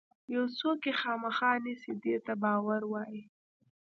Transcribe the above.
یو څوک یې خامخا نیسي دې ته باور وایي.